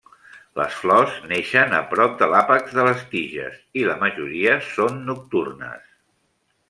Les flors neixen a prop de l'àpex de les tiges i la majoria són nocturnes.